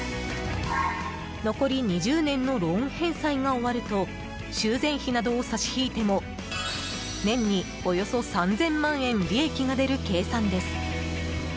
残り２０年のローン返済が終わると修繕費などをも差し引いても年におよそ３０００万円利益が出る計算です。